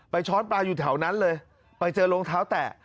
ช้อนปลาอยู่แถวนั้นเลยไปเจอรองเท้าแตะ